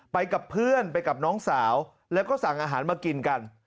ไปกับเพื่อนไปกับน้องสาวแล้วก็สั่งอาหารมากินกัน